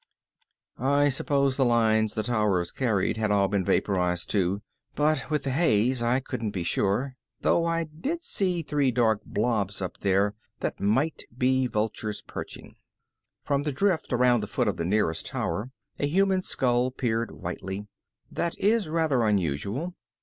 I supposed the lines the towers carried had all been vaporized too, but with the haze I couldn't be sure, though I did see three dark blobs up there that might be vultures perching. From the drift around the foot of the nearest tower a human skull peered whitely. That is rather unusual.